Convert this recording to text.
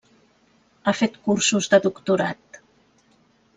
Ha fet cursos de doctorat.